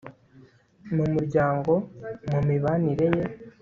mu muryango mu mibanire ye